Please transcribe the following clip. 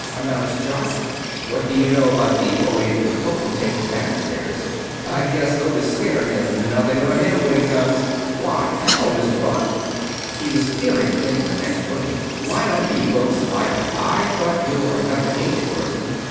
announced Jock. "What do you know about the Oriental potentate down stairs! I guess Otis Skinner has nothing on him when it comes Why, hello, Mr. Buck!" He was peering into the next room. "Why don't you folks light up? I thought you were another agent person.